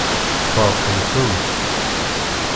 Feṛqen-tent.